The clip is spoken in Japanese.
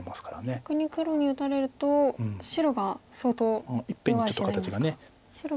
逆に黒に打たれると白が相当弱い石になりますか。